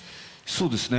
そうですね